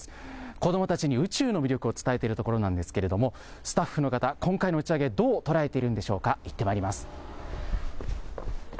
子どもたちに宇宙の魅力を伝えているところなんですけれどもスタッフの方、今回の打ち上げ、どう捉えているんでしょうか。